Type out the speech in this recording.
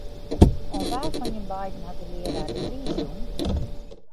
Oan wa fan jim beiden hat de learaar de priis jûn?